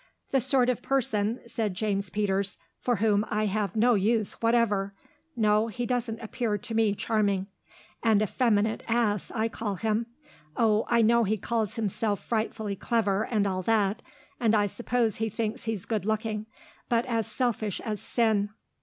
"The sort of person," said James Peters, "for whom I have no use whatever. No, he doesn't appear to me charming. An effeminate ass, I call him. Oh, I know he calls himself frightfully clever and all that, and I suppose he thinks he's good looking ... but as selfish as sin.